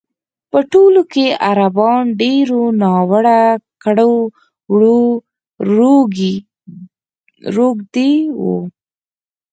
په ټول کې عربان ډېرو ناوړه کړو وړو روږ دي وو.